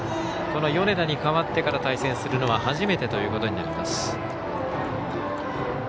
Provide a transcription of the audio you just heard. この米田に代わってから対戦するのは初めてとなります。